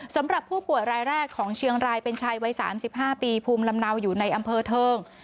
สำหรับผู้ป่วยรายแรกของเชียงรายเป็นชายวัย๓๕ปีภูมิลำเนาอยู่ในอำเภอเทิง